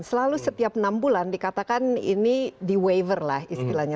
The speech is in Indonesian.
selalu setiap enam bulan dikatakan ini di waiver lah istilahnya